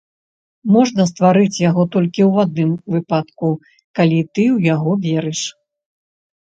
Можна стварыць яго толькі ў адным выпадку, калі ты ў яго верыш.